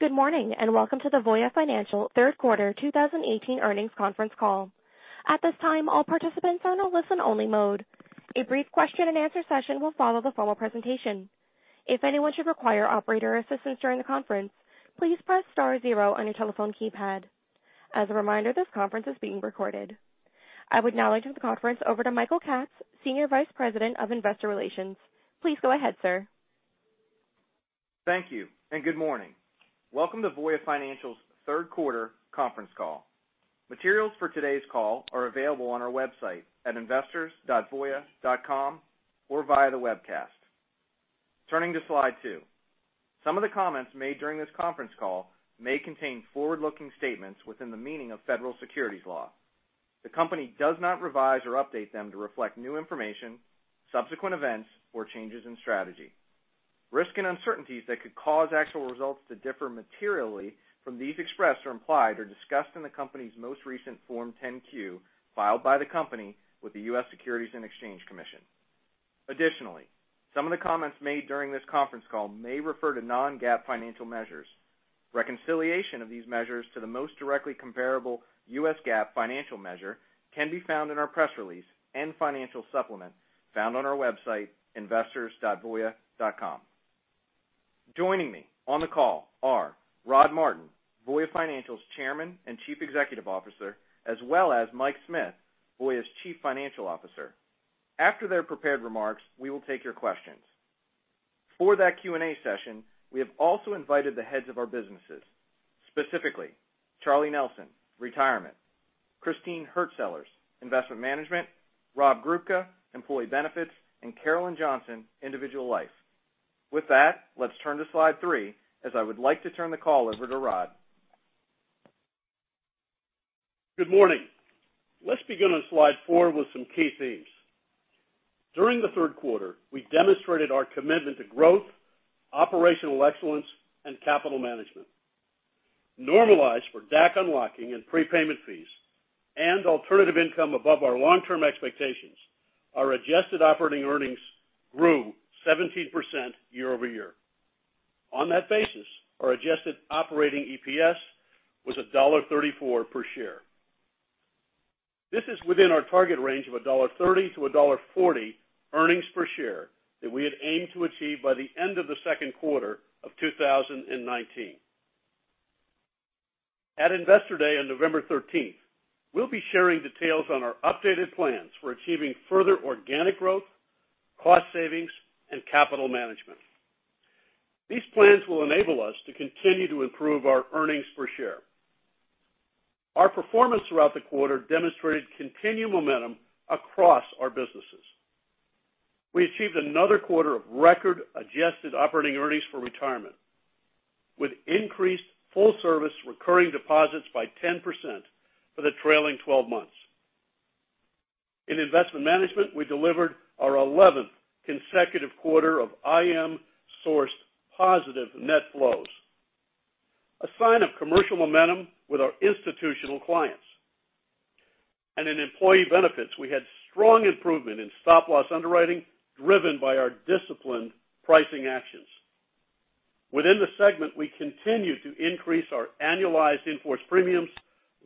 Good morning, and welcome to the Voya Financial Third Quarter 2018 Earnings Conference Call. At this time, all participants are in a listen-only mode. A brief question and answer session will follow the formal presentation. If anyone should require operator assistance during the conference, please press star zero on your telephone keypad. As a reminder, this conference is being recorded. I would now like to turn the conference over to Michael Katz, Senior Vice President of Investor Relations. Please go ahead, sir. Thank you, good morning. Welcome to Voya Financial's third quarter conference call. Materials for today's call are available on our website at investors.voya.com or via the webcast. Turning to slide two. Some of the comments made during this conference call may contain forward-looking statements within the meaning of federal securities law. The company does not revise or update them to reflect new information, subsequent events, or changes in strategy. Risk and uncertainties that could cause actual results to differ materially from these expressed or implied are discussed in the company's most recent Form 10-Q filed by the company with the U.S. Securities and Exchange Commission. Additionally, some of the comments made during this conference call may refer to non-GAAP financial measures. Reconciliation of these measures to the most directly comparable U.S. GAAP financial measure can be found in our press release and financial supplement found on our website, investors.voya.com. Joining me on the call are Rod Martin, Voya Financial's Chairman and Chief Executive Officer, as well as Mike Smith, Voya's Chief Financial Officer. After their prepared remarks, we will take your questions. For that Q&A session, we have also invited the heads of our businesses, specifically Charlie Nelson, Retirement, Christine Hurtsellers, Investment Management, Rob Grubka, Employee Benefits, and Carolyn Johnson, Individual Life. With that, let's turn to slide three as I would like to turn the call over to Rod. Good morning. Let's begin on slide four with some key themes. During the third quarter, we demonstrated our commitment to growth, operational excellence, and capital management. Normalized for DAC unlocking and prepayment fees and alternative income above our long-term expectations, our adjusted operating earnings grew 17% year-over-year. On that basis, our adjusted operating EPS was $1.34 per share. This is within our target range of $1.30-$1.40 earnings per share that we had aimed to achieve by the end of the second quarter of 2019. At Investor Day on November 13th, we'll be sharing details on our updated plans for achieving further organic growth, cost savings, and capital management. These plans will enable us to continue to improve our earnings per share. Our performance throughout the quarter demonstrated continued momentum across our businesses. We achieved another quarter of record adjusted operating earnings for Retirement, with increased full-service recurring deposits by 10% for the trailing 12 months. In Investment Management, we delivered our 11th consecutive quarter of IM-sourced positive net flows, a sign of commercial momentum with our institutional clients. In Employee Benefits, we had strong improvement in stop-loss underwriting driven by our disciplined pricing actions. Within the segment, we continue to increase our annualized in-force premiums,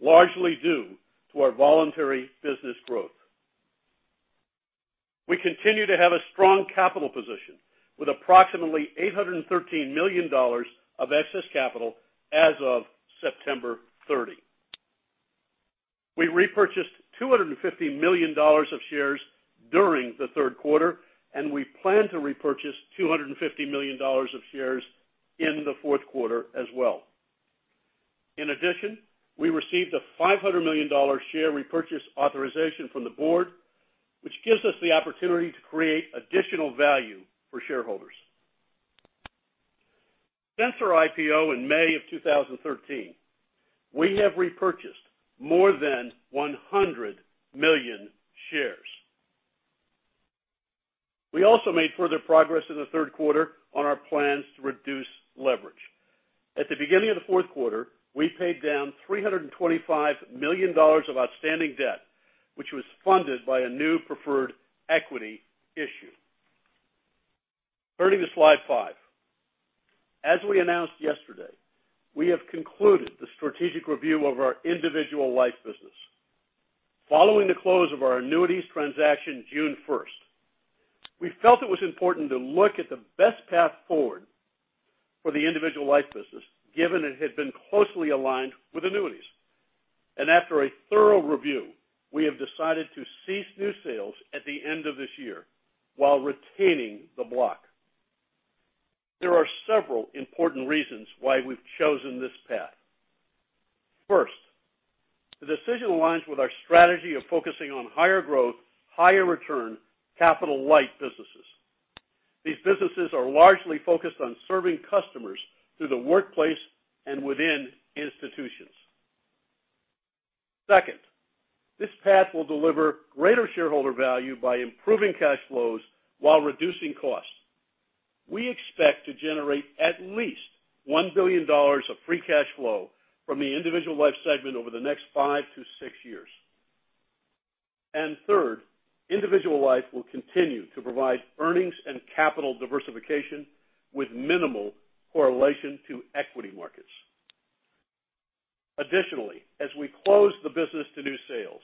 largely due to our voluntary business growth. We continue to have a strong capital position with approximately $813 million of excess capital as of September 30. We repurchased $250 million of shares during the third quarter, and we plan to repurchase $250 million of shares in the fourth quarter as well. In addition, we received a $500 million share repurchase authorization from the board, which gives us the opportunity to create additional value for shareholders. Since our IPO in May of 2013, we have repurchased more than 100 million shares. We also made further progress in the third quarter on our plans to reduce leverage. At the beginning of the fourth quarter, we paid down $325 million of outstanding debt, which was funded by a new preferred equity issue. Turning to slide five. As we announced yesterday, we have concluded the strategic review of our Individual Life business. Following the close of our annuities transaction June 1st, we felt it was important to look at the best path forward for the Individual Life business, given it had been closely aligned with annuities. After a thorough review, we have decided to cease new sales at the end of this year while retaining the block. There are several important reasons why we've chosen this path. First, the decision aligns with our strategy of focusing on higher growth, higher return, capital-light businesses. These businesses are largely focused on serving customers through the workplace and within institutions. Second, this path will deliver greater shareholder value by improving cash flows while reducing costs. We expect to generate at least $1 billion of free cash flow from the Individual Life segment over the next five to six years. Third, Individual Life will continue to provide earnings and capital diversification with minimal correlation to equity markets. Additionally, as we close the business to new sales,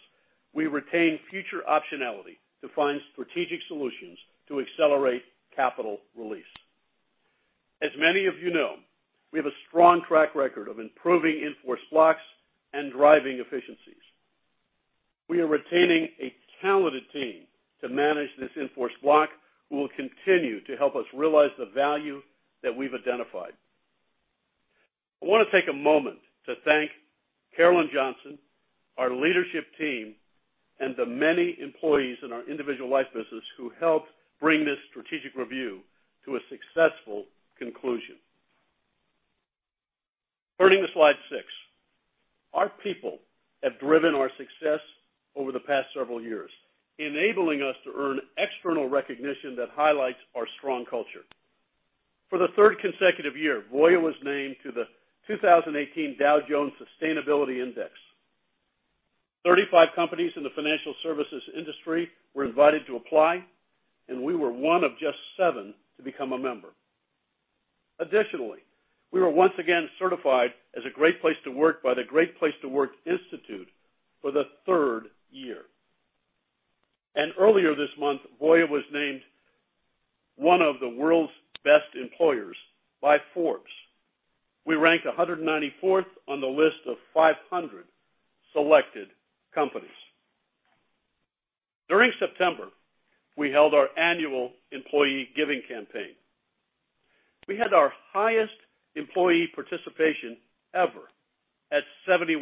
we retain future optionality to find strategic solutions to accelerate capital release. As many of you know, we have a strong track record of improving in-force blocks and driving efficiencies. We are retaining a talented team to manage this in-force block who will continue to help us realize the value that we've identified. I want to take a moment to thank Carolyn Johnson, our leadership team, and the many employees in our Individual Life business who helped bring this strategic review to a successful conclusion. Turning to slide six. Our people have driven our success over the past several years, enabling us to earn external recognition that highlights our strong culture. For the third consecutive year, Voya was named to the 2018 Dow Jones Sustainability Index. 35 companies in the financial services industry were invited to apply, and we were one of just seven to become a member. Additionally, we were once again certified as a Great Place to Work by the Great Place to Work Institute for the third year. Earlier this month, Voya was named one of the world's best employers by Forbes. We ranked 194th on the list of 500 selected companies. During September, we held our annual employee giving campaign. We had our highest employee participation ever at 71%,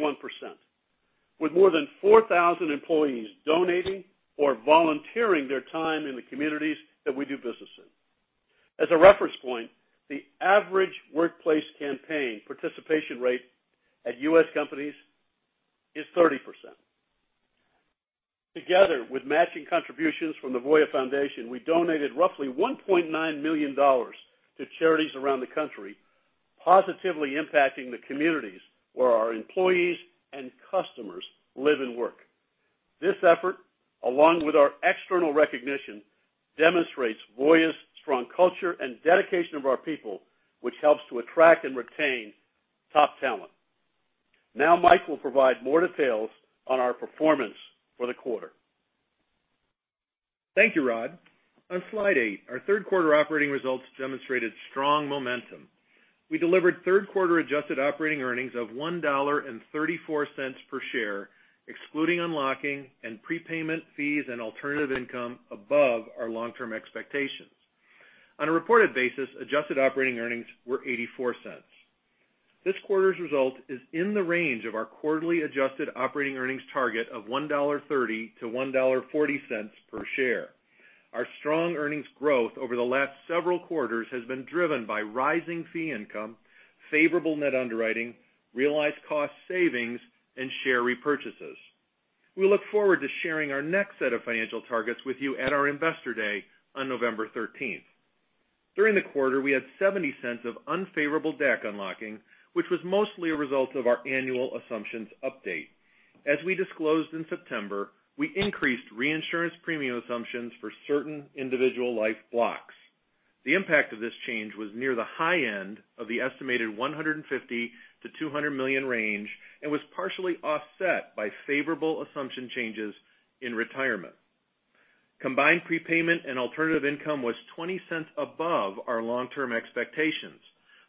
with more than 4,000 employees donating or volunteering their time in the communities that we do business in. As a reference point, the average workplace campaign participation rate at U.S. companies is 30%. Together, with matching contributions from the Voya Foundation, we donated roughly $1.9 million to charities around the country, positively impacting the communities where our employees and customers live and work. This effort, along with our external recognition, demonstrates Voya's strong culture and dedication of our people, which helps to attract and retain top talent. Mike will provide more details on our performance for the quarter. Thank you, Rod. On slide eight, our third quarter operating results demonstrated strong momentum. We delivered third quarter adjusted operating earnings of $1.34 per share, excluding unlocking and prepayment fees and alternative income above our long-term expectations. On a reported basis, adjusted operating earnings were $0.84. This quarter's result is in the range of our quarterly adjusted operating earnings target of $1.30 to $1.40 per share. Our strong earnings growth over the last several quarters has been driven by rising fee income, favorable net underwriting, realized cost savings, and share repurchases. We look forward to sharing our next set of financial targets with you at our Investor Day on November 13th. During the quarter, we had $0.70 of unfavorable DAC unlocking, which was mostly a result of our annual assumptions update. As we disclosed in September, we increased reinsurance premium assumptions for certain Individual Life blocks. The impact of this change was near the high end of the estimated $150 million-$200 million range and was partially offset by favorable assumption changes in Retirement. Combined prepayment and alternative income was $0.20 above our long-term expectations.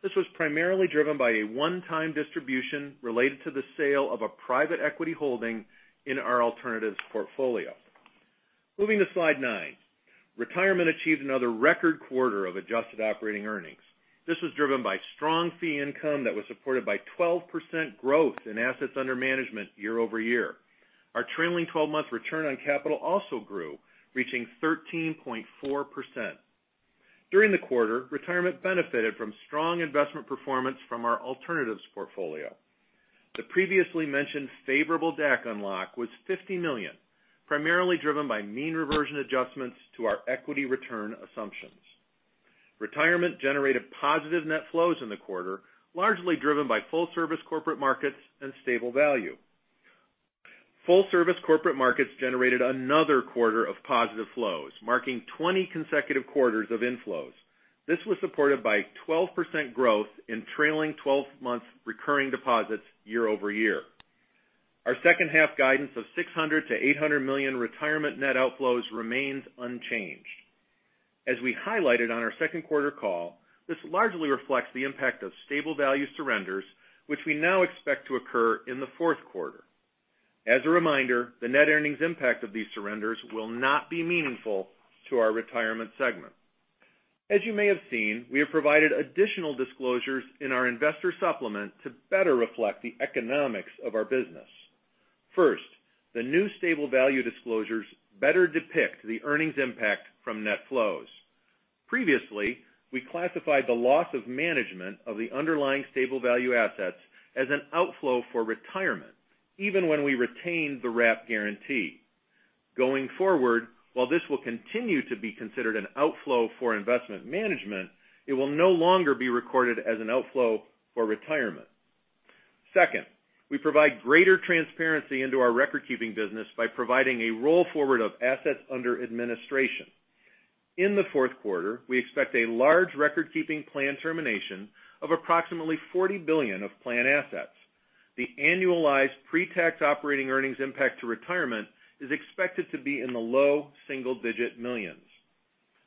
This was primarily driven by a one-time distribution related to the sale of a private equity holding in our alternatives portfolio. Moving to slide nine. Retirement achieved another record quarter of adjusted operating earnings. This was driven by strong fee income that was supported by 12% growth in assets under management year-over-year. Our trailing 12-month return on capital also grew, reaching 13.4%. During the quarter, Retirement benefited from strong investment performance from our alternatives portfolio. The previously mentioned favorable DAC unlock was $15 million, primarily driven by mean reversion adjustments to our equity return assumptions. Retirement generated positive net flows in the quarter, largely driven by full service corporate markets and stable value. Full service corporate markets generated another quarter of positive flows, marking 20 consecutive quarters of inflows. This was supported by 12% growth in trailing 12 months recurring deposits year-over-year. Our second half guidance of $600 million-$800 million Retirement net outflows remains unchanged. As we highlighted on our second quarter call, this largely reflects the impact of stable value surrenders, which we now expect to occur in the fourth quarter. As a reminder, the net earnings impact of these surrenders will not be meaningful to our Retirement segment. As you may have seen, we have provided additional disclosures in our investor supplement to better reflect the economics of our business. First, the new stable value disclosures better depict the earnings impact from net flows. Previously, we classified the loss of management of the underlying stable value assets as an outflow for Retirement, even when we retained the wrap guarantee. Going forward, while this will continue to be considered an outflow for Investment Management, it will no longer be recorded as an outflow for Retirement. Second, we provide greater transparency into our record-keeping business by providing a roll-forward of assets under administration. In the fourth quarter, we expect a large record-keeping plan termination of approximately $40 billion of plan assets. The annualized pre-tax operating earnings impact to Retirement is expected to be in the low single-digit millions.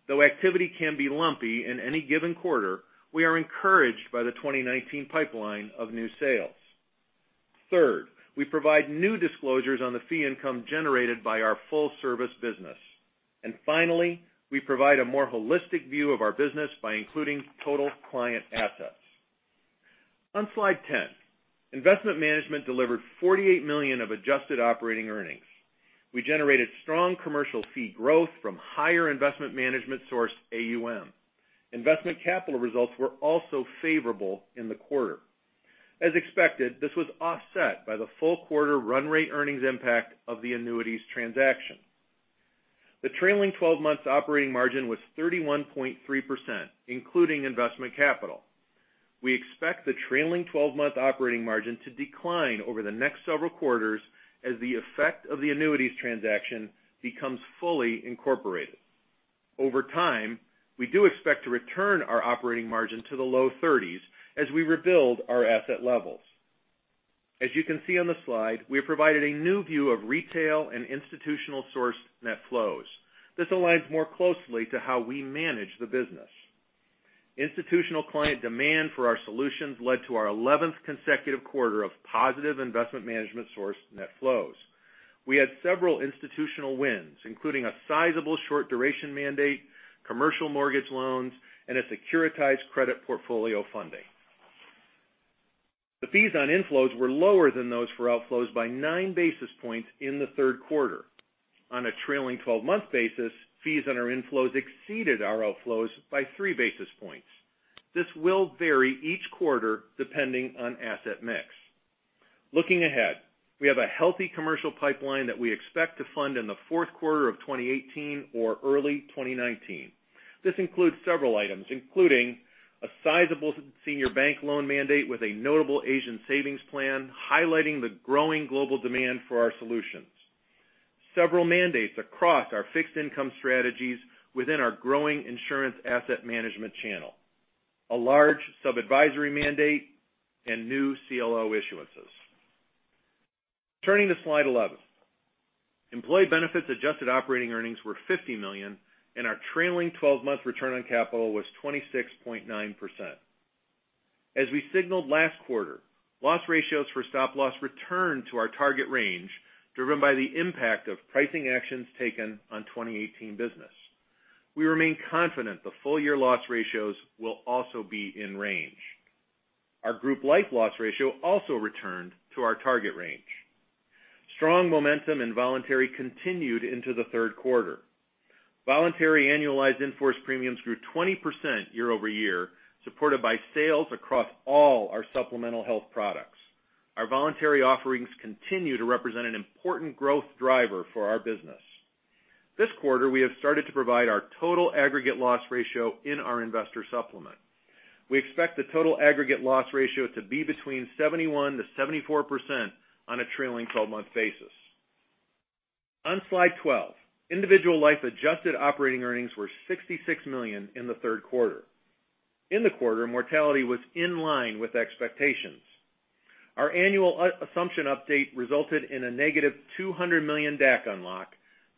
Though activity can be lumpy in any given quarter, we are encouraged by the 2019 pipeline of new sales. Third, we provide new disclosures on the fee income generated by our full-service business. Finally, we provide a more holistic view of our business by including total client assets. On slide 10, Investment Management delivered $48 million of adjusted operating earnings. We generated strong commercial fee growth from higher Investment Management-sourced AUM. Investment capital results were also favorable in the quarter. As expected, this was offset by the full quarter run rate earnings impact of the annuities transaction. The trailing 12-month operating margin was 31.3%, including Investment capital. We expect the trailing 12-month operating margin to decline over the next several quarters as the effect of the annuities transaction becomes fully incorporated. Over time, we do expect to return our operating margin to the low 30s as we rebuild our asset levels. As you can see on the slide, we have provided a new view of retail and institutional source net flows. This aligns more closely to how we manage the business. Institutional client demand for our solutions led to our 11th consecutive quarter of positive Investment Management-sourced net flows. We had several institutional wins, including a sizable short-duration mandate, commercial mortgage loans, and a securitized credit portfolio funding. The fees on inflows were lower than those for outflows by nine basis points in the third quarter. On a trailing 12-month basis, fees on our inflows exceeded our outflows by three basis points. This will vary each quarter, depending on asset mix. Looking ahead, we have a healthy commercial pipeline that we expect to fund in the fourth quarter of 2018 or early 2019. This includes several items, including a sizable senior bank loan mandate with a notable Asian savings plan, highlighting the growing global demand for our solutions. Several mandates across our fixed income strategies within our growing insurance asset management channel, a large sub-advisory mandate, and new CLO issuances. Turning to slide 11. Employee Benefits adjusted operating earnings were $50 million, and our trailing 12-month return on capital was 26.9%. As we signaled last quarter, loss ratios for stop-loss returned to our target range, driven by the impact of pricing actions taken on 2018 business. We remain confident the full-year loss ratios will also be in range. Our group life loss ratio also returned to our target range. Strong momentum in voluntary continued into the third quarter. Voluntary annualized in-force premiums grew 20% year-over-year, supported by sales across all our supplemental health products. Our voluntary offerings continue to represent an important growth driver for our business. This quarter, we have started to provide our total aggregate loss ratio in our investor supplement. We expect the total aggregate loss ratio to be between 71%-74% on a trailing 12-month basis. On slide 12, Individual Life-adjusted operating earnings were $66 million in the third quarter. In the quarter, mortality was in line with expectations. Our annual assumption update resulted in a negative $200 million DAC unlock,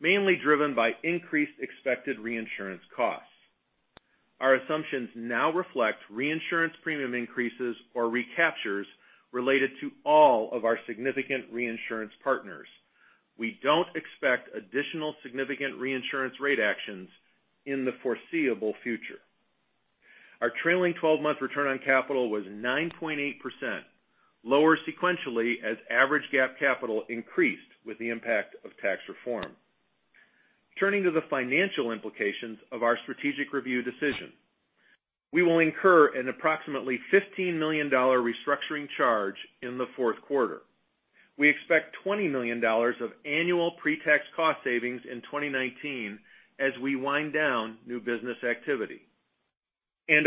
mainly driven by increased expected reinsurance costs. Our assumptions now reflect reinsurance premium increases or recaptures related to all of our significant reinsurance partners. We don't expect additional significant reinsurance rate actions in the foreseeable future. Our trailing 12-month return on capital was 9.8%, lower sequentially as average GAAP capital increased with the impact of tax reform. Turning to the financial implications of our strategic review decision. We will incur an approximately $15 million restructuring charge in the fourth quarter. We expect $20 million of annual pre-tax cost savings in 2019 as we wind down new business activity.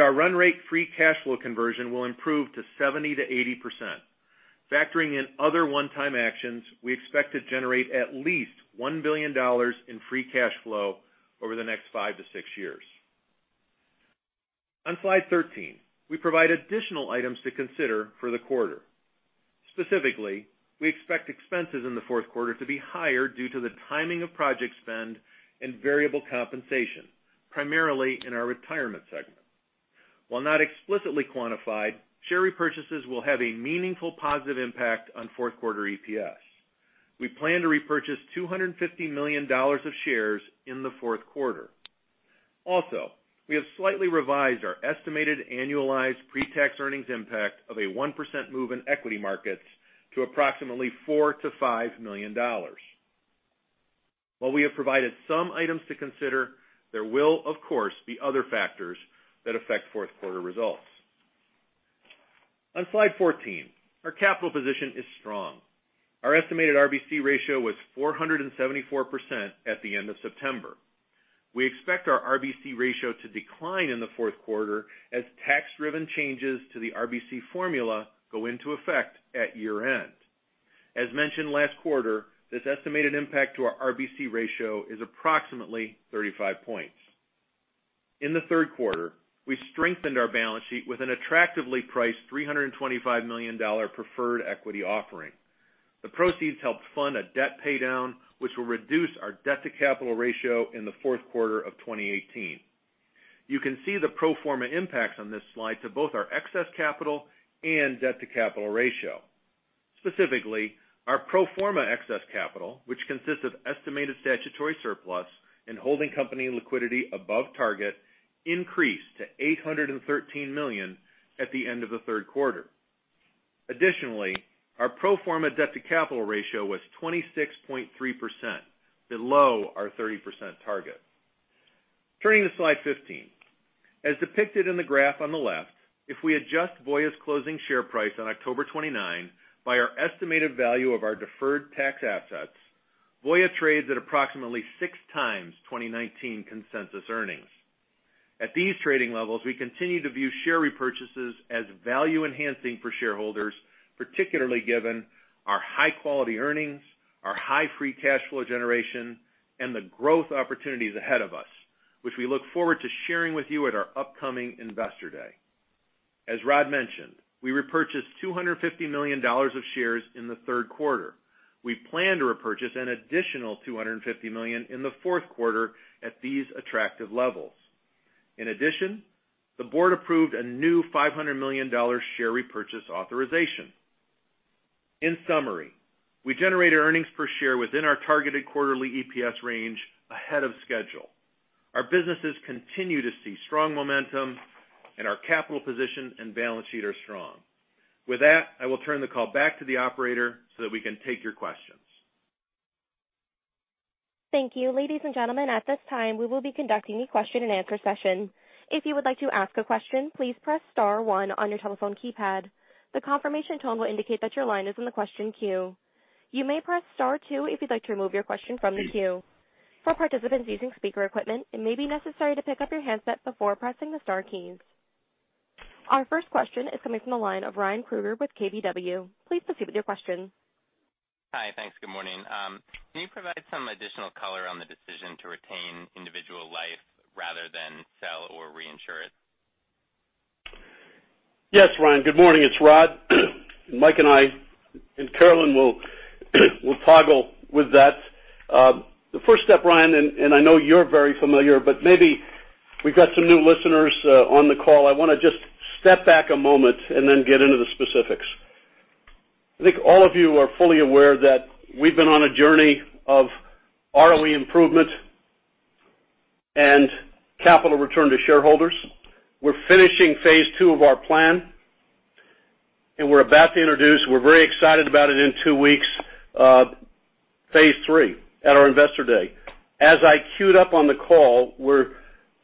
Our run rate free cash flow conversion will improve to 70%-80%. Factoring in other one-time actions, we expect to generate at least $1 billion in free cash flow over the next five to six years. On slide 13, we provide additional items to consider for the quarter. Specifically, we expect expenses in the fourth quarter to be higher due to the timing of project spend and variable compensation, primarily in our Retirement segment. While not explicitly quantified, share repurchases will have a meaningful positive impact on fourth quarter EPS. We plan to repurchase $250 million of shares in the fourth quarter. We have slightly revised our estimated annualized pre-tax earnings impact of a 1% move in equity markets to approximately $4 million-$5 million. While we have provided some items to consider, there will of course, be other factors that affect fourth quarter results. On slide 14, our capital position is strong. Our estimated RBC ratio was 474% at the end of September. We expect our RBC ratio to decline in the fourth quarter as tax-driven changes to the RBC formula go into effect at year-end. As mentioned last quarter, this estimated impact to our RBC ratio is approximately 35 points. In the third quarter, we strengthened our balance sheet with an attractively priced $325 million preferred equity offering. The proceeds helped fund a debt paydown, which will reduce our debt-to-capital ratio in the fourth quarter of 2018. You can see the pro forma impacts on this slide to both our excess capital and debt-to-capital ratio. Specifically, our pro forma excess capital, which consists of estimated statutory surplus and holding company liquidity above target, increased to $813 million at the end of the third quarter. Additionally, our pro forma debt-to-capital ratio was 26.3%, below our 30% target. Turning to slide 15. As depicted in the graph on the left, if we adjust Voya's closing share price on October 29 by our estimated value of our deferred tax assets, Voya trades at approximately six times 2019 consensus earnings. At these trading levels, we continue to view share repurchases as value enhancing for shareholders, particularly given our high-quality earnings, our high free cash flow generation, and the growth opportunities ahead of us, which we look forward to sharing with you at our upcoming Investor Day. As Rod mentioned, we repurchased $250 million of shares in the third quarter. We plan to repurchase an additional $250 million in the fourth quarter at these attractive levels. In addition, the board approved a new $500 million share repurchase authorization. In summary, we generated earnings per share within our targeted quarterly EPS range ahead of schedule. Our businesses continue to see strong momentum. Our capital position and balance sheet are strong. With that, I will turn the call back to the operator so that we can take your questions. Thank you. Ladies and gentlemen, at this time, we will be conducting a question-and-answer session. If you would like to ask a question, please press *1 on your telephone keypad. The confirmation tone will indicate that your line is in the question queue. You may press *2 if you'd like to remove your question from the queue. For participants using speaker equipment, it may be necessary to pick up your handset before pressing the star keys. Our first question is coming from the line of Ryan Krueger with KBW. Please proceed with your question. Hi, thanks. Good morning. Can you provide some additional color on the decision to retain Individual Life rather than sell or reinsure it? Yes, Ryan. Good morning. It's Rod. Mike and I and Carolyn will toggle with that. The first step, Ryan, I know you're very familiar, but maybe we've got some new listeners on the call. I want to just step back a moment and then get into the specifics. I think all of you are fully aware that we've been on a journey of ROE improvement and capital return to shareholders. We're finishing phase II of our plan, and we're about to introduce, we're very excited about it, in two weeks, phase III at our Investor Day. As I cued up on the call, we're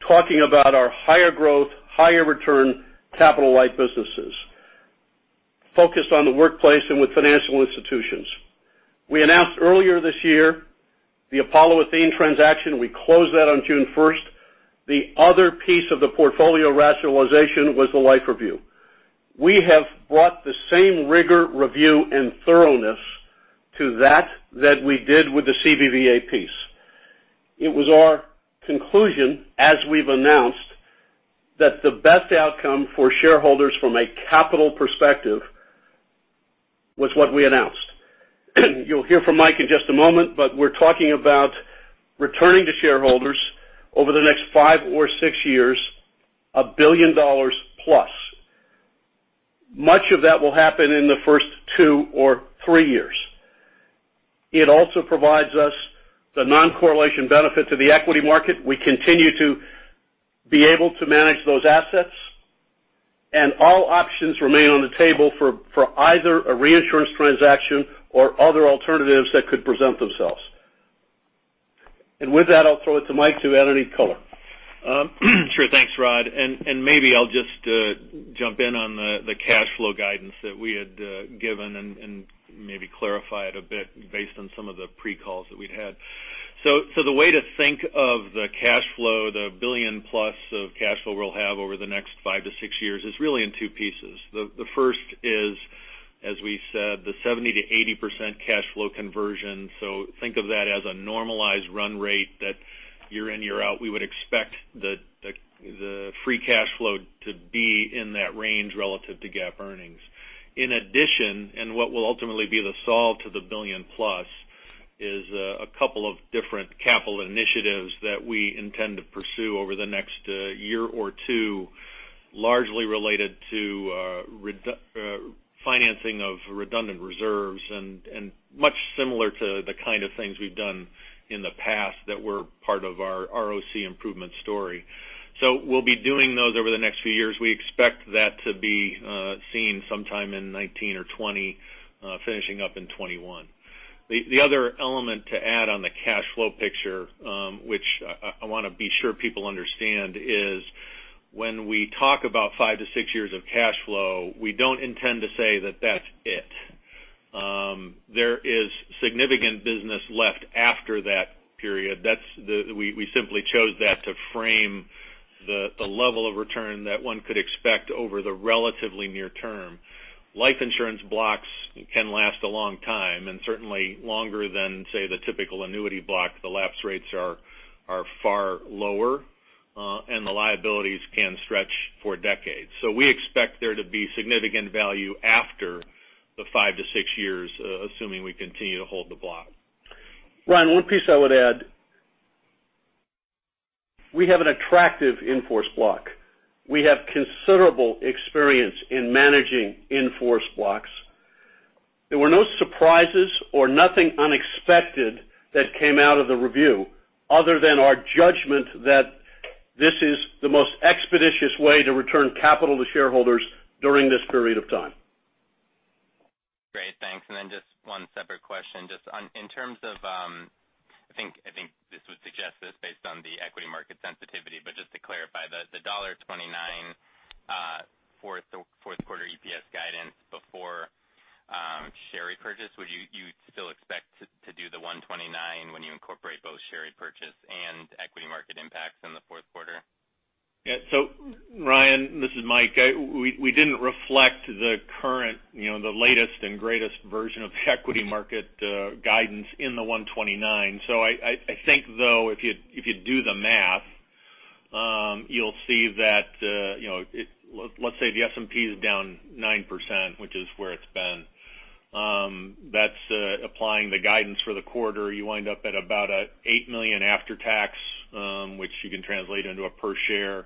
talking about our higher growth, higher return capital light businesses, focused on the workplace and with financial institutions. We announced earlier this year the Apollo Athene transaction. We closed that on June 1st. The other piece of the portfolio rationalization was the life review. We have brought the same rigor, review, and thoroughness to that that we did with the CBVA piece. It was our conclusion, as we've announced, that the best outcome for shareholders from a capital perspective was what we announced. You'll hear from Mike in just a moment, but we're talking about returning to shareholders over the next five or six years, a $1 billion plus. Much of that will happen in the first two or three years. It also provides us the non-correlation benefit to the equity market. We continue to be able to manage those assets, and all options remain on the table for either a reinsurance transaction or other alternatives that could present themselves. With that, I'll throw it to Mike to add any color. Sure. Thanks, Rod. Maybe I'll just jump in on the cash flow guidance that we had given and maybe clarify it a bit based on some of the pre-calls that we'd had. The way to think of the cash flow, the $1 billion-plus of cash flow we'll have over the next five to six years, is really in two pieces. The first is, as we said, the 70%-80% cash flow conversion. Think of that as a normalized run rate that year in, year out, we would expect the free cash flow to be in that range relative to GAAP earnings. In addition, and what will ultimately be the solve to the $1 billion plus, is a couple of different capital initiatives that we intend to pursue over the next year or two, largely related to financing of redundant reserves and much similar to the kind of things we've done in the past that were part of our ROC improvement story. We'll be doing those over the next few years. We expect that to be seen sometime in 2019 or 2020, finishing up in 2021. The other element to add on the cash flow picture, which I want to be sure people understand, is when we talk about five to six years of cash flow, we don't intend to say that that's it. There is significant business left after that period. We simply chose that to frame the level of return that one could expect over the relatively near term. Life insurance blocks can last a long time, and certainly longer than, say, the typical annuity block. The lapse rates are far lower, and the liabilities can stretch for decades. We expect there to be significant value after the five to six years, assuming we continue to hold the block. Ryan, one piece I would add, we have an attractive in-force block. We have considerable experience in managing in-force blocks. There were no surprises or nothing unexpected that came out of the review other than our judgment that this is the most expeditious way to return capital to shareholders during this period of time. Great. Thanks. Then just one separate question. I think this would suggest this based on the equity market sensitivity, but just to clarify, the $1.29 fourth quarter EPS guidance before share repurchase, would you still expect to do the 1.29 when you incorporate both share repurchase and equity market impacts in the fourth quarter? Yeah. Ryan, this is Mike. We didn't reflect the latest and greatest version of the equity market guidance in the 1.29. I think, though, if you do the math, you'll see that, let's say the S&P is down 9%, which is where it's been. That's applying the guidance for the quarter. You wind up at about an $8 million after tax, which you can translate into a per share.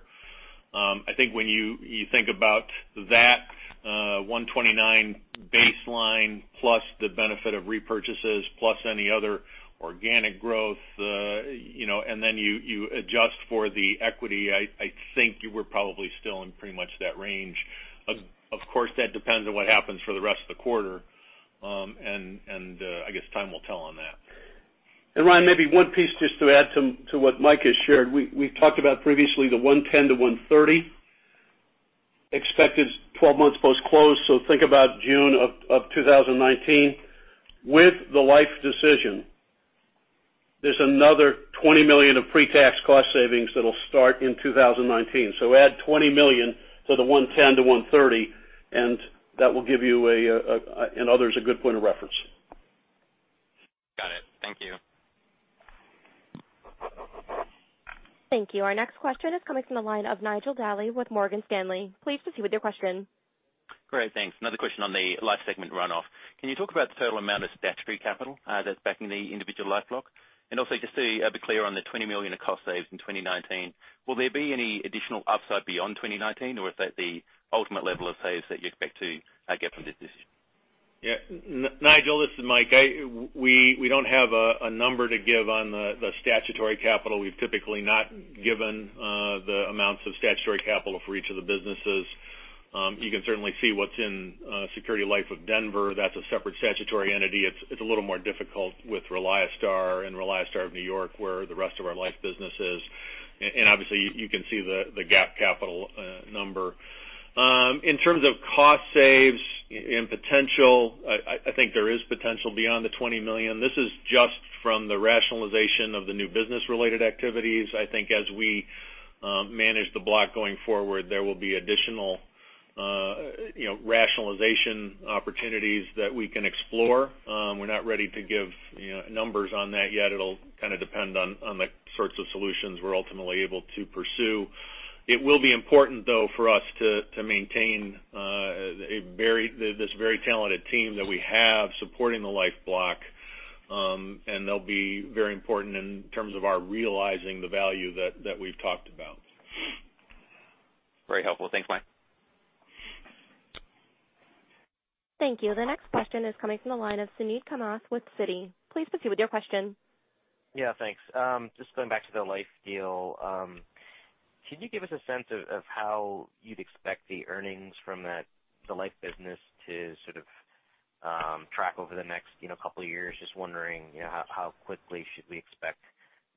I think when you think about that 1.29 baseline plus the benefit of repurchases plus any other organic growth, then you adjust for the equity, I think we're probably still in pretty much that range. Of course, that depends on what happens for the rest of the quarter. I guess time will tell on that. Ryan, maybe one piece just to add to what Mike has shared. We've talked about previously the 110 to 130 expected 12 months post-close, so think about June of 2019. With the Individual Life decision, there's another $20 million of pre-tax cost savings that'll start in 2019. Add $20 million to the 110 to 130, that will give you and others a good point of reference. Got it. Thank you. Thank you. Our next question is coming from the line of Nigel Dally with Morgan Stanley. Please proceed with your question. Great. Thanks. Another question on the life segment runoff. Can you talk about the total amount of statutory capital that's backing the Individual Life block? Also, just to be clear on the $20 million of cost saves in 2019, will there be any additional upside beyond 2019, or is that the ultimate level of saves that you expect to get from this decision? Yeah. Nigel, this is Mike. We don't have a number to give on the statutory capital. We've typically not given the amounts of statutory capital for each of the businesses. You can certainly see what's in Security Life of Denver. That's a separate statutory entity. It's a little more difficult with ReliaStar and ReliaStar of New York, where the rest of our life business is. Obviously, you can see the GAAP capital number. In terms of cost saves in potential, I think there is potential beyond the $20 million. This is just from the rationalization of the new business-related activities. I think as we manage the block going forward, there will be additional rationalization opportunities that we can explore. We're not ready to give numbers on that yet. It'll depend on the sorts of solutions we're ultimately able to pursue. It will be important, though, for us to maintain this very talented team that we have supporting the life block, and they'll be very important in terms of our realizing the value that we've talked about. Very helpful. Thanks, Mike. Thank you. The next question is coming from the line of Suneet Kamath with Citi. Please proceed with your question. Yeah, thanks. Just going back to the life deal. Could you give us a sense of how you'd expect the earnings from the life business to track over the next couple of years? Just wondering how quickly should we expect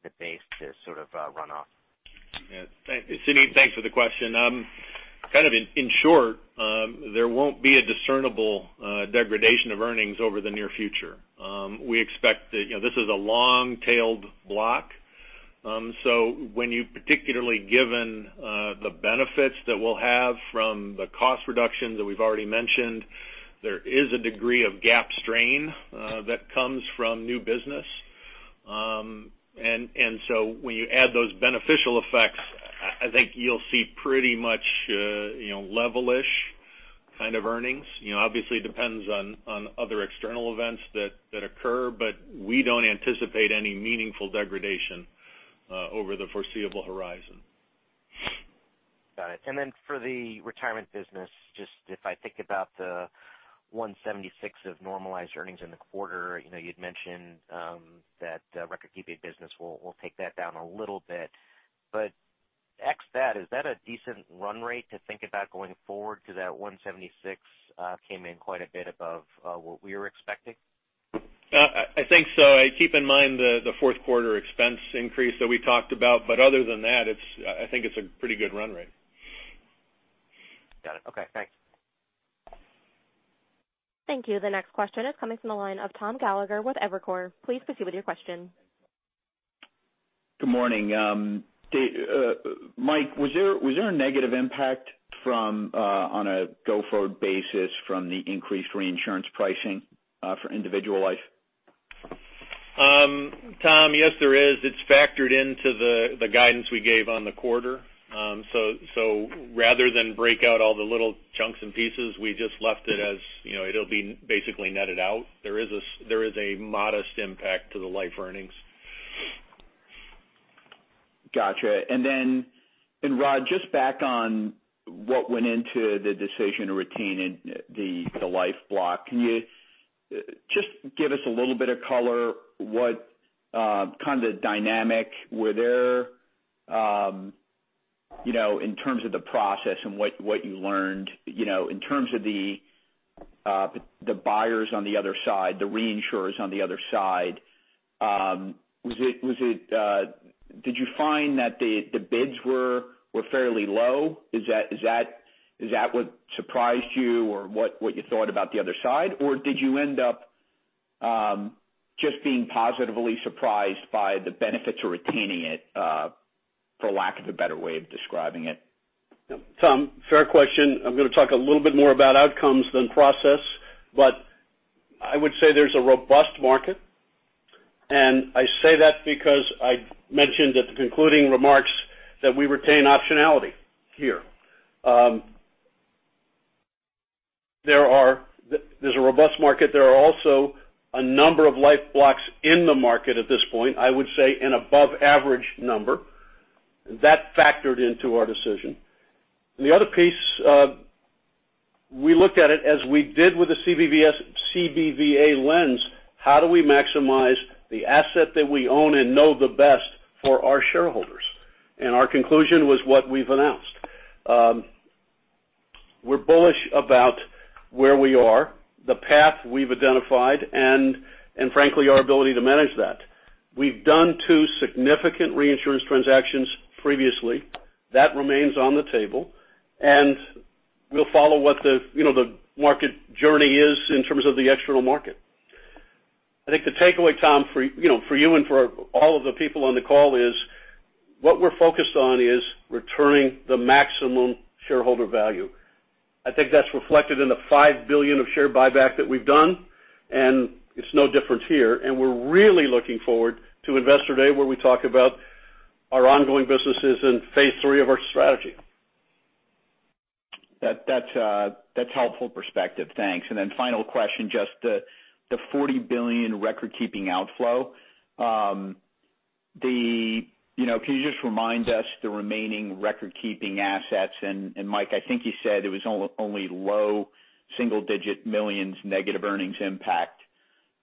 the base to run off? Suneet, thanks for the question. In short, there won't be a discernible degradation of earnings over the near future. This is a long-tailed block. Particularly given the benefits that we'll have from the cost reductions that we've already mentioned, there is a degree of GAAP strain that comes from new business. When you add those beneficial effects, I think you'll see pretty much level-ish kind of earnings. Obviously, it depends on other external events that occur, but we don't anticipate any meaningful degradation over the foreseeable horizon. Got it. For the Retirement business, just if I think about the $176 of normalized earnings in the quarter, you'd mentioned that record keep fee business will take that down a little bit. Ex that, is that a decent run rate to think about going forward, because that $176 came in quite a bit above what we were expecting? I think so. Keep in mind the fourth quarter expense increase that we talked about, but other than that, I think it's a pretty good run rate. Got it. Okay, thanks. Thank you. The next question is coming from the line of Thomas Gallagher with Evercore. Please proceed with your question. Good morning. Mike, was there a negative impact on a go-forward basis from the increased reinsurance pricing for Individual Life? Tom, yes, there is. It's factored into the guidance we gave on the quarter. Rather than break out all the little chunks and pieces, we just left it as it'll be basically netted out. There is a modest impact to the life earnings. Got you. Rod, just back on what went into the decision to retain the life block. Can you just give us a little bit of color, what kind of dynamic were there in terms of the process and what you learned in terms of the buyers on the other side, the reinsurers on the other side? Did you find that the bids were fairly low? Is that what surprised you or what you thought about the other side? Or did you end up just being positively surprised by the benefit to retaining it for lack of a better way of describing it? Tom, fair question. I'm going to talk a little bit more about outcomes than process, but I would say there's a robust market. I say that because I mentioned at the concluding remarks that we retain optionality here. There's a robust market. There are also a number of life blocks in the market at this point, I would say an above average number. That factored into our decision. The other piece, we looked at it as we did with the CBVA lens, how do we maximize the asset that we own and know the best for our shareholders? Our conclusion was what we've announced. We're bullish about where we are, the path we've identified, and frankly, our ability to manage that. We've done two significant reinsurance transactions previously. That remains on the table, and we'll follow what the market journey is in terms of the external market. I think the takeaway, Tom, for you and for all of the people on the call is what we're focused on is returning the maximum shareholder value. I think that's reflected in the $5 billion of share buyback that we've done, and it's no different here. We're really looking forward to Investor Day, where we talk about our ongoing businesses in phase three of our strategy. That's helpful perspective. Thanks. Final question, just the $40 billion recordkeeping outflow. Can you just remind us the remaining recordkeeping assets? Mike, I think you said it was only low single-digit millions negative earnings impact.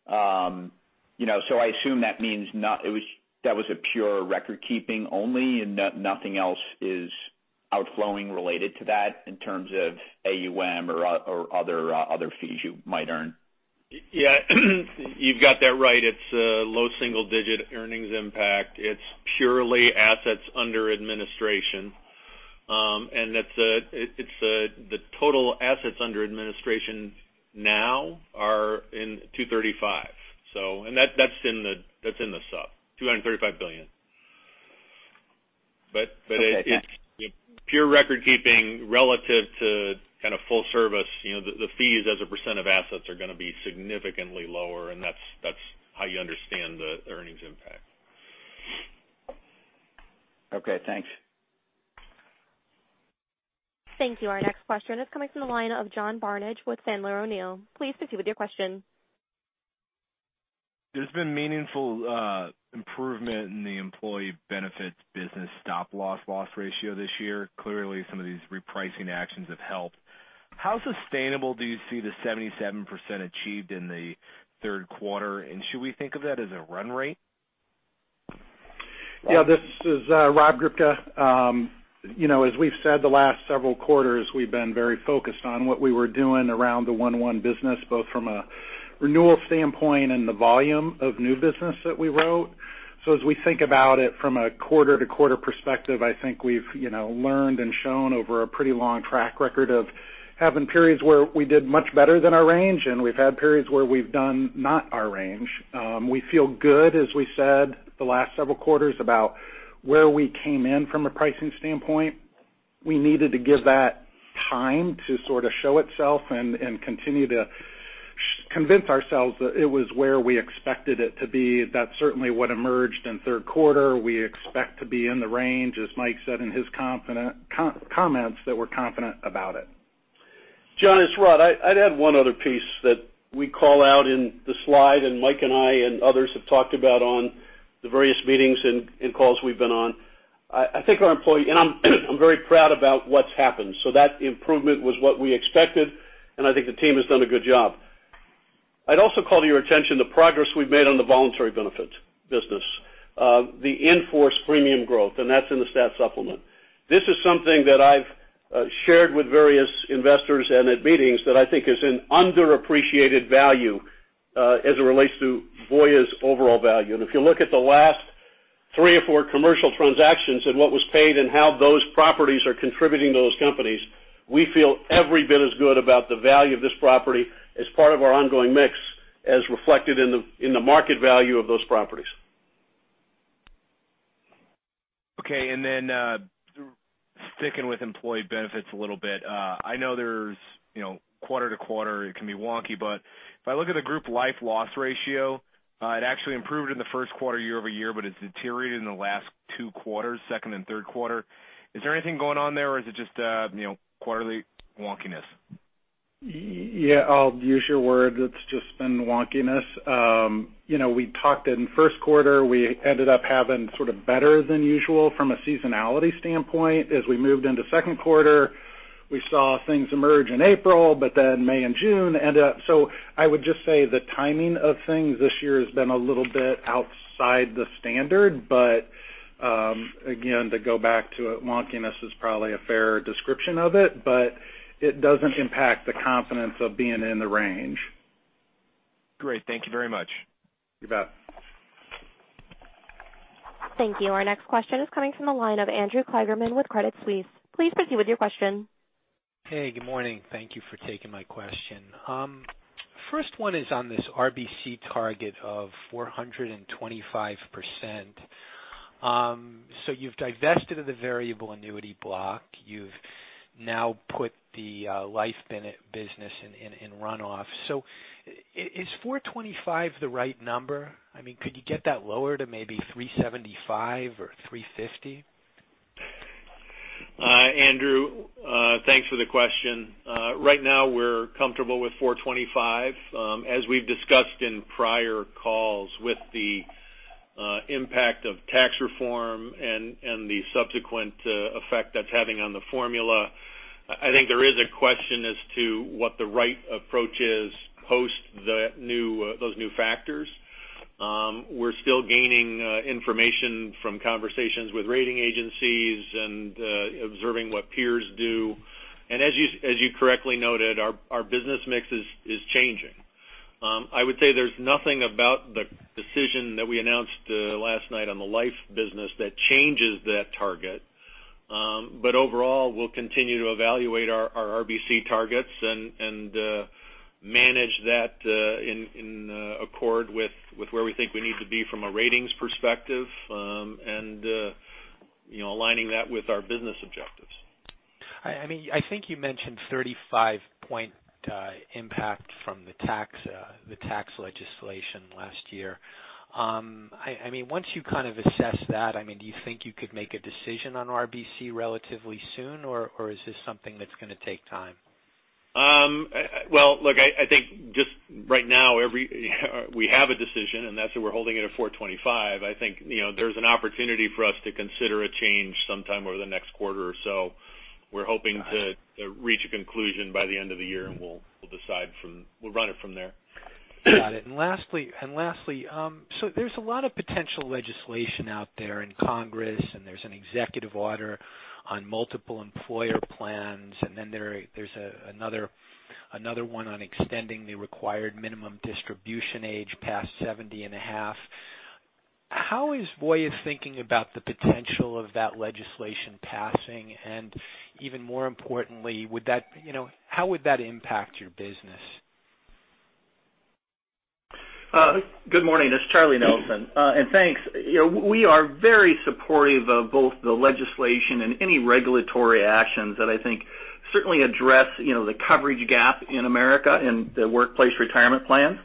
I assume that means that was a pure recordkeeping only and nothing else is outflowing related to that in terms of AUM or other fees you might earn. Yeah. You've got that right. It's a low single-digit earnings impact. It's purely assets under administration. The total assets under administration now are in 235. That's in the sub, $235 billion. It's pure recordkeeping relative to kind of full service. The fees as a % of assets are going to be significantly lower, and that's how you understand the earnings impact. Okay, thanks. Thank you. Our next question is coming from the line of John Barnidge with Sandler O'Neill. Please proceed with your question. There's been meaningful improvement in the Employee Benefits business stop-loss loss ratio this year. Clearly, some of these repricing actions have helped. How sustainable do you see the 77% achieved in the third quarter, and should we think of that as a run rate? This is Rob Grubka. As we've said the last several quarters, we've been very focused on what we were doing around the 1:1 business, both from a renewal standpoint and the volume of new business that we wrote. As we think about it from a quarter-to-quarter perspective, I think we've learned and shown over a pretty long track record of having periods where we did much better than our range, and we've had periods where we've done not our range. We feel good, as we said the last several quarters, about where we came in from a pricing standpoint. We needed to give that time to sort of show itself and continue to convince ourselves that it was where we expected it to be. That's certainly what emerged in third quarter. We expect to be in the range, as Mike said in his comments, that we're confident about it. John, it's Rod. I'd add one other piece that we call out in the slide, and Mike and I and others have talked about on the various meetings and calls we've been on. I think our employee, and I'm very proud about what's happened. That improvement was what we expected, and I think the team has done a good job. I'd also call to your attention the progress we've made on the voluntary benefits business, the in-force premium growth, and that's in the stat supplement. This is something that I've shared with various investors and at meetings that I think is an underappreciated value as it relates to Voya's overall value. If you look at the last Three or four commercial transactions and what was paid and how those properties are contributing to those companies. We feel every bit as good about the value of this property as part of our ongoing mix as reflected in the market value of those properties. Okay, sticking with Employee Benefits a little bit. I know there's quarter to quarter, it can be wonky, if I look at the group life loss ratio, it actually improved in the first quarter year-over-year, it's deteriorated in the last two quarters, second and third quarter. Is there anything going on there or is it just quarterly wonkiness? Yeah, I'll use your word. It's just been wonkiness. We talked in the first quarter, we ended up having sort of better than usual from a seasonality standpoint. As we moved into the second quarter, we saw things emerge in April, but then May and June ended up. I would just say the timing of things this year has been a little bit outside the standard. Again, to go back to it, wonkiness is probably a fair description of it, but it doesn't impact the confidence of being in the range. Great. Thank you very much. You bet. Thank you. Our next question is coming from the line of Andrew Kligerman with Credit Suisse. Please proceed with your question. Good morning. Thank you for taking my question. First one is on this RBC target of 425%. You've divested of the variable annuity block. You've now put the life business in runoff. Is 425 the right number? Could you get that lower to maybe 375 or 350? Andrew, thanks for the question. Right now, we're comfortable with 425. As we've discussed in prior calls with the impact of tax reform and the subsequent effect that's having on the formula, I think there is a question as to what the right approach is post those new factors. We're still gaining information from conversations with rating agencies and observing what peers do. As you correctly noted, our business mix is changing. I would say there's nothing about the decision that we announced last night on the life business that changes that target. Overall, we'll continue to evaluate our RBC targets and manage that in accord with where we think we need to be from a ratings perspective, and aligning that with our business objectives. I think you mentioned a 35-point impact from the tax legislation last year. Once you kind of assess that, do you think you could make a decision on RBC relatively soon, or is this something that's going to take time? Look, I think just right now, we have a decision, and that's that we're holding it at 425. I think there's an opportunity for us to consider a change sometime over the next quarter or so. We're hoping to reach a conclusion by the end of the year, and we'll run it from there. Got it. Lastly, there's a lot of potential legislation out there in Congress, there's an executive order on Multiple Employer Plans, then there's another one on extending the Required Minimum Distributions age past 70 and a half. How is Voya thinking about the potential of that legislation passing, and even more importantly, how would that impact your business? Good morning. It's Charles Nelson. Thanks. We are very supportive of both the legislation and any regulatory actions that I think certainly address the coverage gap in America in the workplace retirement plans.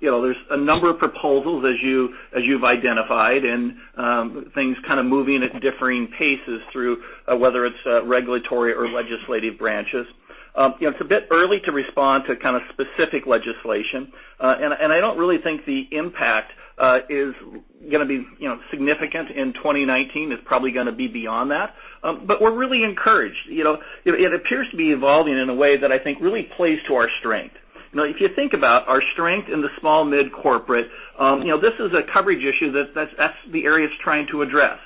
There's a number of proposals as you've identified, things kind of moving at differing paces through, whether it's regulatory or legislative branches. It's a bit early to respond to kind of specific legislation. I don't really think the impact is going to be significant in 2019. It's probably going to be beyond that. We're really encouraged. It appears to be evolving in a way that I think really plays to our strength. If you think about our strength in the small, mid-corporate, this is a coverage issue that that's the area it's trying to address.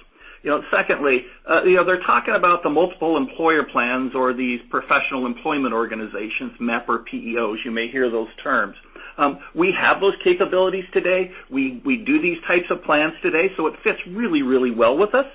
Secondly, they're talking about the Multiple Employer Plans or these Professional Employer Organizations, MEP or PEOs, you may hear those terms. We have those capabilities today. We do these types of plans today, so it fits really well with us.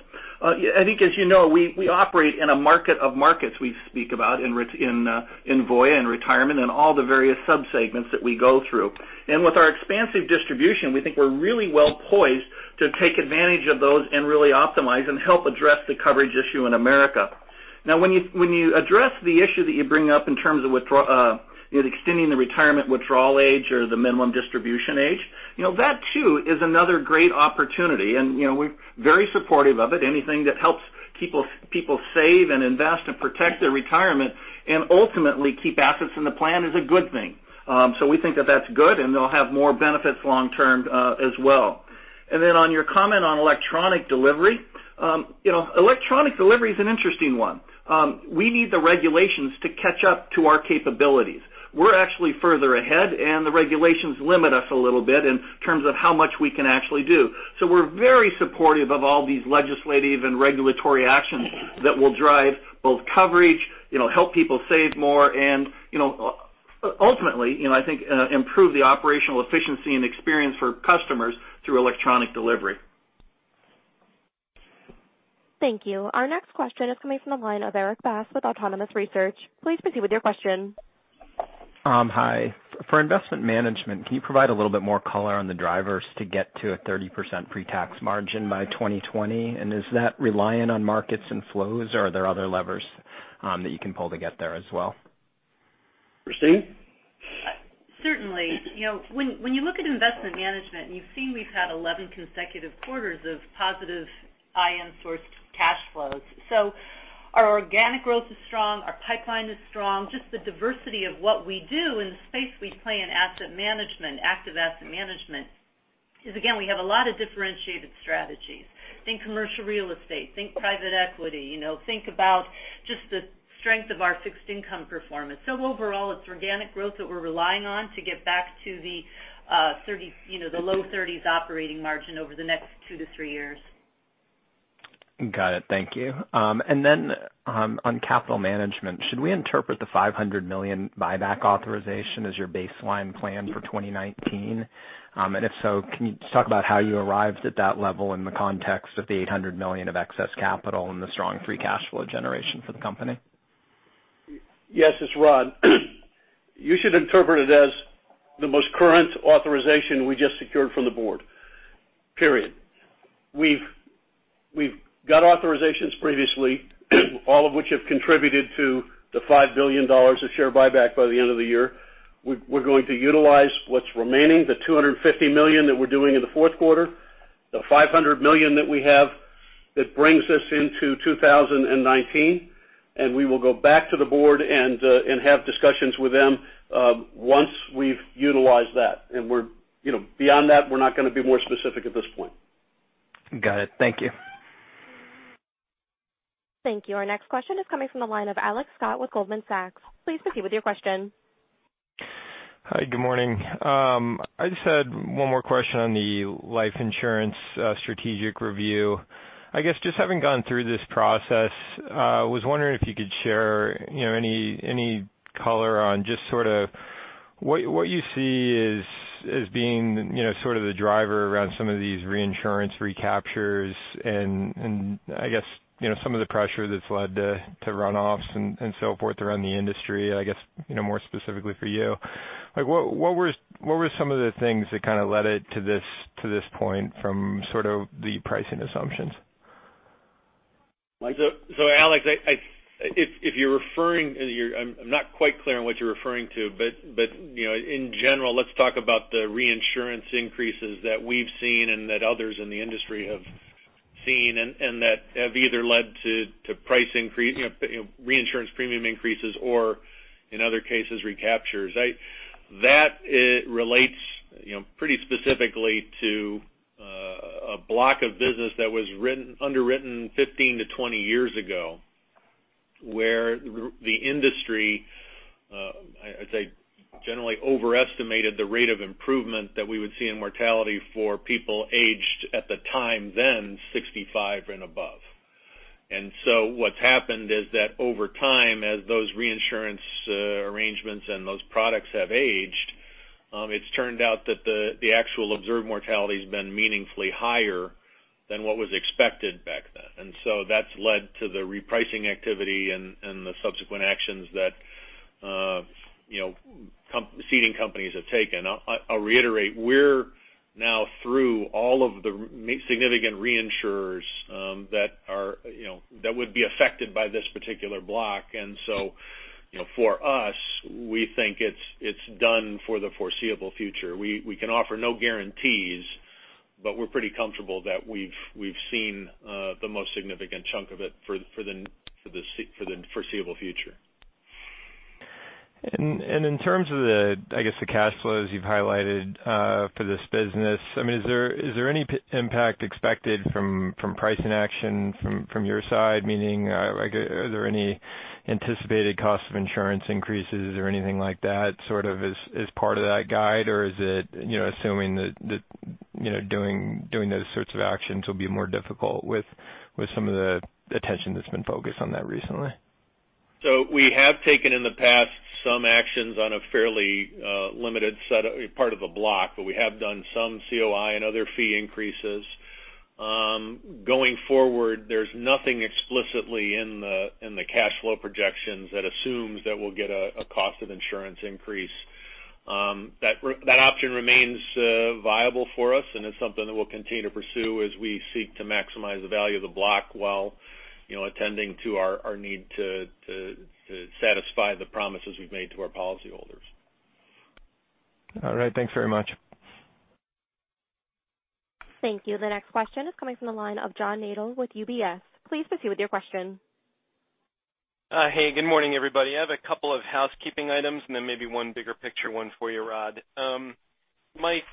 I think as you know, we operate in a market of markets we speak about in Voya and Retirement and all the various sub-segments that we go through. With our expansive distribution, we think we're really well poised to take advantage of those and really optimize and help address the coverage issue in America. When you address the issue that you bring up in terms of extending the retirement withdrawal age or the minimum distribution age, that too is another great opportunity, we're very supportive of it. Anything that helps people save and invest and protect their retirement and ultimately keep assets in the plan is a good thing. We think that that's good, they'll have more benefits long term as well. On your comment on electronic delivery. Electronic delivery is an interesting one. We need the regulations to catch up to our capabilities. We're actually further ahead, the regulations limit us a little bit in terms of how much we can actually do. We're very supportive of all these legislative and regulatory actions that will drive both coverage, help people save more, and Ultimately, I think improve the operational efficiency and experience for customers through electronic delivery. Thank you. Our next question is coming from the line of Erik Bass with Autonomous Research. Please proceed with your question. Hi. For Investment Management, can you provide a little bit more color on the drivers to get to a 30% pretax margin by 2020? Is that reliant on markets and flows, or are there other levers that you can pull to get there as well? Christine? Certainly. When you look at Investment Management, and you've seen we've had 11 consecutive quarters of positive IM-sourced cash flows. Our organic growth is strong, our pipeline is strong. Just the diversity of what we do and the space we play in asset management, active asset management is, again, we have a lot of differentiated strategies. Think commercial real estate, think private equity, think about just the strength of our fixed income performance. Overall, it's organic growth that we're relying on to get back to the low 30s operating margin over the next two to three years. Got it. Thank you. On capital management, should we interpret the $500 million buyback authorization as your baseline plan for 2019? If so, can you just talk about how you arrived at that level in the context of the $800 million of excess capital and the strong free cash flow generation for the company? Yes, it's Rod. You should interpret it as the most current authorization we just secured from the board, period. We've got authorizations previously, all of which have contributed to the $5 billion of share buyback by the end of the year. We're going to utilize what's remaining, the $250 million that we're doing in the fourth quarter, the $500 million that we have that brings us into 2019, and we will go back to the board and have discussions with them once we've utilized that. Beyond that, we're not going to be more specific at this point. Got it. Thank you. Thank you. Our next question is coming from the line of Alex Scott with Goldman Sachs. Please proceed with your question. Hi, good morning. I just had one more question on the life insurance strategic review. Just having gone through this process, I was wondering if you could share any color on just what you see as being the driver around some of these reinsurance recaptures and, I guess, some of the pressure that's led to runoffs and so forth around the industry, I guess, more specifically for you. What were some of the things that kind of led it to this point from sort of the pricing assumptions? Alex, I'm not quite clear on what you're referring to, but in general, let's talk about the reinsurance increases that we've seen and that others in the industry have seen, and that have either led to reinsurance premium increases or, in other cases, recaptures. That relates pretty specifically to a block of business that was underwritten 15 to 20 years ago, where the industry, I'd say, generally overestimated the rate of improvement that we would see in mortality for people aged at the time then 65 and above. What's happened is that over time, as those reinsurance arrangements and those products have aged, it's turned out that the actual observed mortality has been meaningfully higher than what was expected back then. That's led to the repricing activity and the subsequent actions that seeding companies have taken. I'll reiterate, we're now through all of the significant reinsurers that would be affected by this particular block. For us, we think it's done for the foreseeable future. We can offer no guarantees, but we're pretty comfortable that we've seen the most significant chunk of it for the foreseeable future. In terms of the, I guess, the cash flows you've highlighted for this business, is there any impact expected from pricing action from your side, meaning are there any anticipated cost of insurance increases or anything like that as part of that guide, or is it assuming that doing those sorts of actions will be more difficult with some of the attention that's been focused on that recently? We have taken in the past some actions on a fairly limited part of the block, but we have done some COI and other fee increases. Going forward, there's nothing explicitly in the cash flow projections that assumes that we'll get a cost of insurance increase. That option remains viable for us, and it's something that we'll continue to pursue as we seek to maximize the value of the block while attending to our need to satisfy the promises we've made to our policyholders. All right. Thanks very much. Thank you. The next question is coming from the line of John Nadel with UBS. Please proceed with your question. Hey, good morning, everybody. I have a couple of housekeeping items and then maybe one bigger picture one for you, Rod. Mike,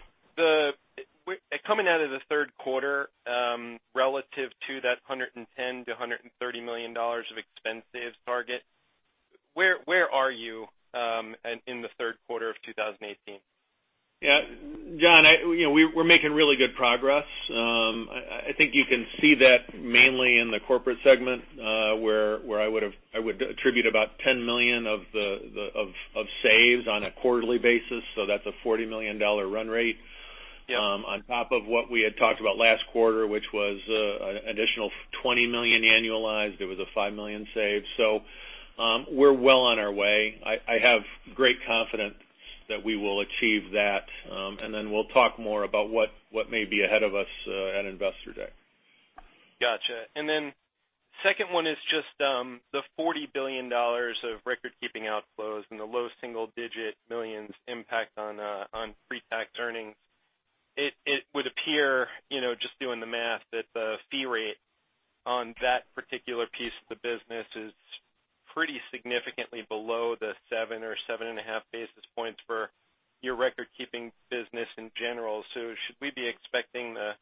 coming out of the third quarter relative to that $110 million-$130 million of expense saves target, where are you in the third quarter of 2018? Yeah. John, we're making really good progress. I think you can see that mainly in the corporate segment, where I would attribute about $10 million of saves on a quarterly basis. That's a $40 million run rate. Yeah. On top of what we had talked about last quarter, which was an additional $20 million annualized. There was a $5 million save. We're well on our way. I have great confidence that we will achieve that. We'll talk more about what may be ahead of us at Investor Day. Got you. Second one is just the $40 billion of recordkeeping outflows and the low single-digit millions impact on pre-tax earnings. It would appear, just doing the math, that the fee rate on that particular piece of the business is pretty significantly below the seven or seven and a half basis points for your recordkeeping business in general. Should we be expecting the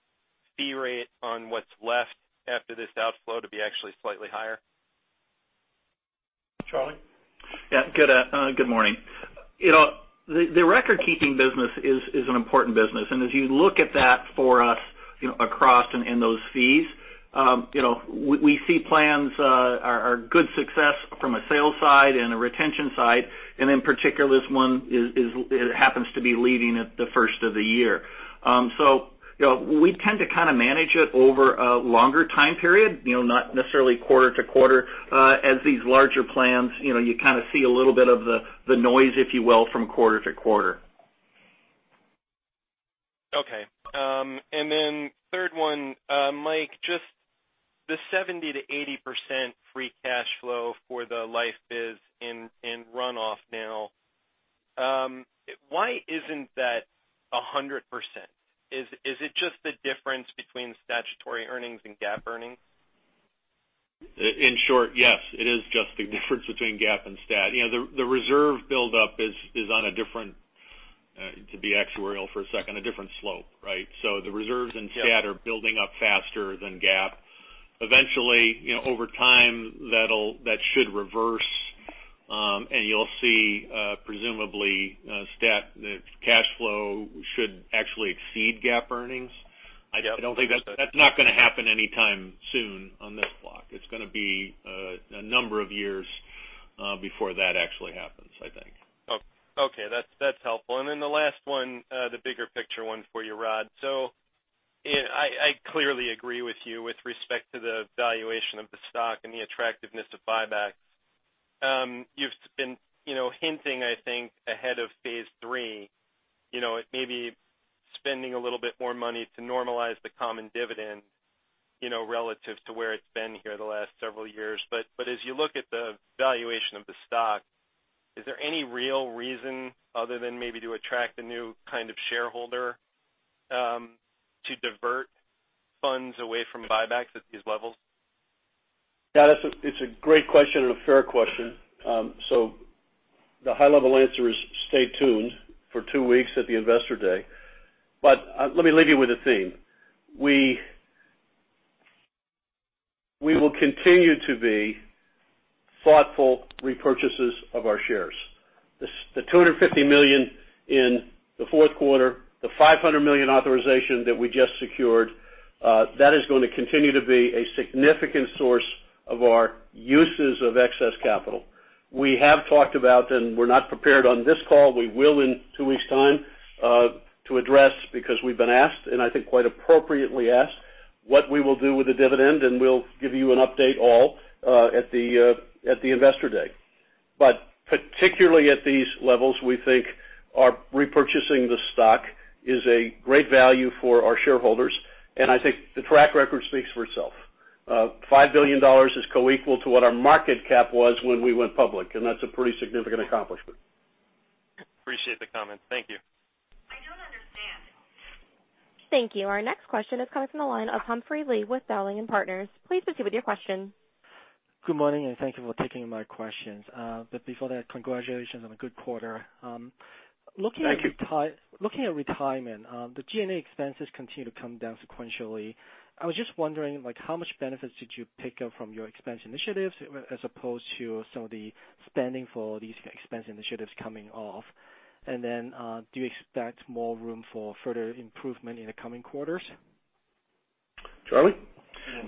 fee rate on what's left after this outflow to be actually slightly higher? Charlie? Yeah. Good morning. The recordkeeping business is an important business. As you look at that for us, across and in those fees, we see plans are good success from a sales side and a retention side. In particular, this one happens to be leaving at the first of the year. We tend to manage it over a longer time period, not necessarily quarter to quarter. As these larger plans, you kind of see a little bit of the noise, if you will, from quarter to quarter. Okay. Third one, Mike, just the 70%-80% free cash flow for the Individual Life is in runoff now. Why isn't that 100%? Is it just the difference between statutory earnings and GAAP earnings? In short, yes. It is just the difference between GAAP and stat. The reserve buildup is on a different, to be actuarial for a second, a different slope, right? The reserves in stat are building up faster than GAAP. Eventually, over time, that should reverse, and you'll see, presumably, stat cash flow should actually exceed GAAP earnings. Yeah. That's not going to happen anytime soon on this block. It's going to be a number of years before that actually happens, I think. Okay. That's helpful. The last one, the bigger picture one for you, Rod. I clearly agree with you with respect to the valuation of the stock and the attractiveness of buybacks. You've been hinting, I think, ahead of phase three, maybe spending a little bit more money to normalize the common dividend, relative to where it's been here the last several years. As you look at the valuation of the stock, is there any real reason other than maybe to attract a new kind of shareholder to divert funds away from buybacks at these levels? Yeah, it's a great question and a fair question. The high-level answer is stay tuned for two weeks at the Investor Day. Let me leave you with a theme. We will continue to be thoughtful repurchasers of our shares. The $250 million in the fourth quarter, the $500 million authorization that we just secured, that is going to continue to be a significant source of our uses of excess capital. We have talked about, and we're not prepared on this call, we will in two weeks' time, to address because we've been asked, and I think quite appropriately asked, what we will do with the dividend, and we'll give you an update all at the Investor Day. Particularly at these levels, we think our repurchasing the stock is a great value for our shareholders, and I think the track record speaks for itself. $5 billion is co-equal to what our market cap was when we went public, and that's a pretty significant accomplishment. Appreciate the comment. Thank you. I don't understand. Thank you. Our next question is coming from the line of Humphrey Lee with Dowling & Partners. Please proceed with your question. Good morning. Thank you for taking my questions. Before that, congratulations on a good quarter. Thank you. Looking at Retirement, the G&A expenses continue to come down sequentially. I was just wondering, how much benefits did you pick up from your expense initiatives as opposed to some of the spending for these expense initiatives coming off? Do you expect more room for further improvement in the coming quarters? Charlie?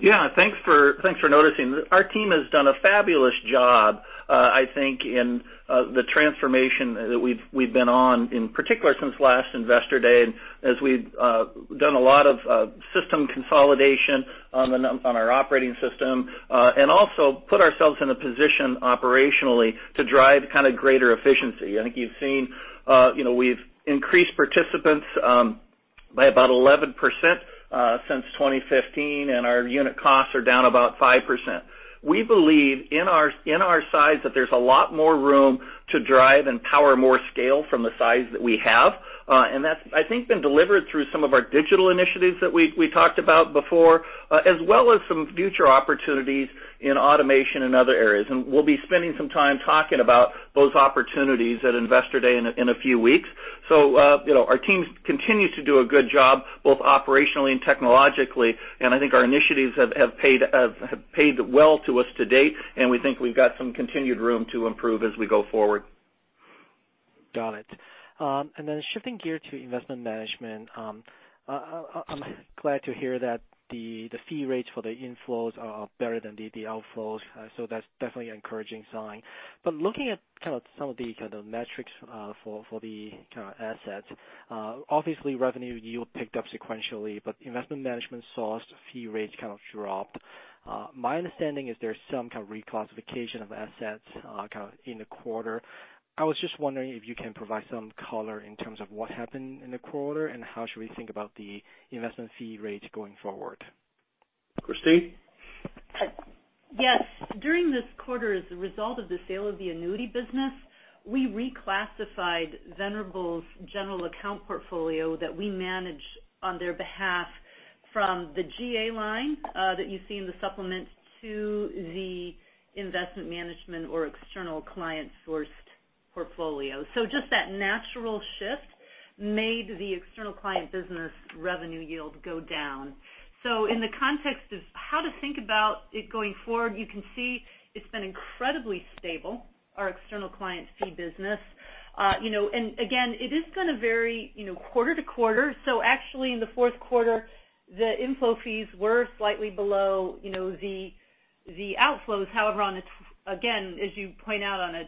Yeah. Thanks for noticing. Our team has done a fabulous job, I think, in the transformation that we've been on, in particular since last Investor Day, as we've done a lot of system consolidation on our operating system. Also put ourselves in a position operationally to drive greater efficiency. I think you've seen we've increased participants by about 11% since 2015, and our unit costs are down about 5%. We believe in our size that there's a lot more room to drive and power more scale from the size that we have. That's, I think, been delivered through some of our digital initiatives that we talked about before, as well as some future opportunities in automation and other areas. We'll be spending some time talking about those opportunities at Investor Day in a few weeks. Our teams continue to do a good job, both operationally and technologically. I think our initiatives have paid well to us to date, and we think we've got some continued room to improve as we go forward. Got it. Then shifting gear to Investment Management. I'm glad to hear that the fee rates for the inflows are better than the outflows. That's definitely encouraging sign. Looking at some of the kind of metrics for the kind of assets. Obviously, revenue yield picked up sequentially, but Investment Management saw fee rates kind of dropped. My understanding is there's some kind of reclassification of assets, kind of in the quarter. I was just wondering if you can provide some color in terms of what happened in the quarter, and how should we think about the investment fee rates going forward? Christine? Yes. During this quarter, as a result of the sale of the annuity business, we reclassified Venerable's general account portfolio that we manage on their behalf from the GA line that you see in the supplement to the Investment Management or external client-sourced portfolio. Just that natural shift made the external client business revenue yield go down. In the context of how to think about it going forward, you can see it's been incredibly stable, our external client fee business. Again, it is going to vary quarter to quarter. Actually, in the fourth quarter, the inflow fees were slightly below the outflows. However, again, as you point out, on a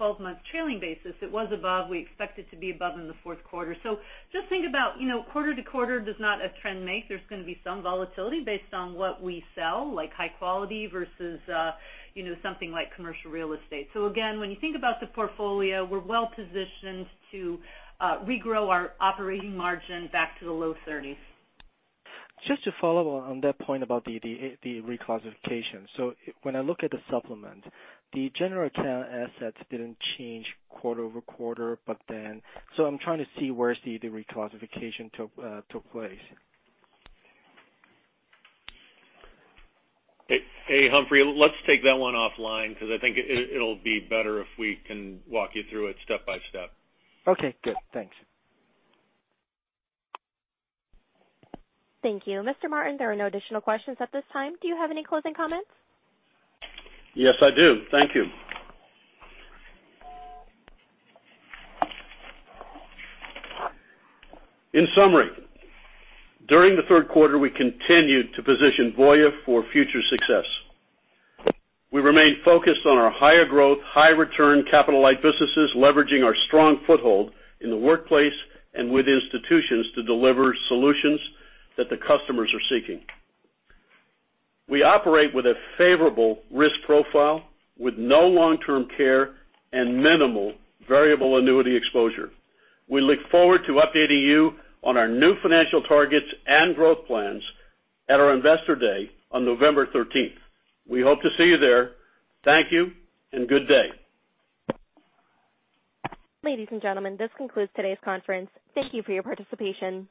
12-month trailing basis, it was above. We expect it to be above in the fourth quarter. Just think about quarter to quarter does not a trend make. There's going to be some volatility based on what we sell, like high quality versus something like commercial real estate. Again, when you think about the portfolio, we're well-positioned to regrow our operating margin back to the low 30s. Just to follow on that point about the reclassification. When I look at the supplement, the General Account assets didn't change quarter-over-quarter. I'm trying to see where the reclassification took place. Hey, Humphrey, let's take that one offline because I think it'll be better if we can walk you through it step by step. Okay, good. Thanks. Thank you. Mr. Martin, there are no additional questions at this time. Do you have any closing comments? Yes, I do. Thank you. In summary, during the third quarter, we continued to position Voya for future success. We remain focused on our higher growth, high return capital-light businesses, leveraging our strong foothold in the workplace and with institutions to deliver solutions that the customers are seeking. We operate with a favorable risk profile with no long-term care and minimal variable annuity exposure. We look forward to updating you on our new financial targets and growth plans at our Investor Day on November 13th. We hope to see you there. Thank you and good day. Ladies and gentlemen, this concludes today's conference. Thank you for your participation.